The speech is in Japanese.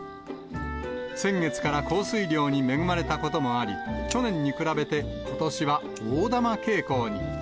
先月から降水量に恵まれたこともあり、去年に比べて、ことしは大玉傾向に。